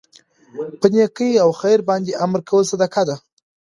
په نيکۍ او خیر باندي امر کول صدقه ده